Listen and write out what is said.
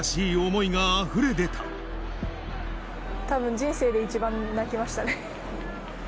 たぶん、人生で一番泣きましたね。